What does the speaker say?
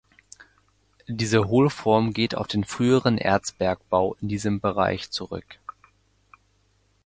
Diese Hohlform geht auf den früheren Erzbergbau in diesem Bereich zurück.